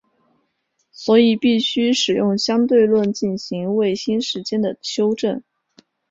所以必须使用相对论进行卫星时间的修正。